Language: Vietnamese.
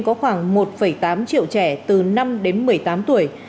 có khoảng một tám triệu trẻ từ năm đến một mươi tám tuổi